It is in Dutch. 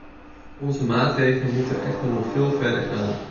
Onze maatregelen moeten echter nog veel verder gaan.